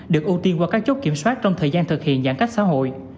được ưu tiên qua các chốt kiểm soát trong thời gian thực hiện giãn cách xã hội